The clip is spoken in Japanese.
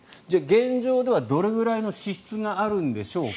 現状ではどれくらいの支出があるんでしょうか。